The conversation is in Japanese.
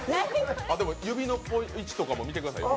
指の位置とかも見てくださいよ。